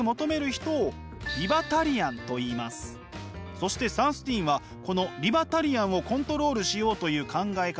そしてサンスティーンはこのリバタリアンをコントロールしようという考え方